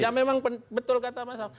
ya memang betul kata mas am